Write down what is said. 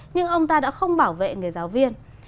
nhưng ông ta đã không bảo vệ nghề giáo viên